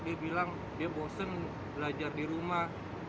dia bilang dia bosen belajar di rumah